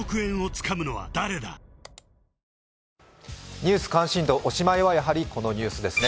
ニュース関心度おしまいはやはりこのニュースですね。